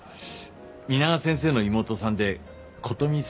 皆川先生の妹さんで琴美さんっていうんだ。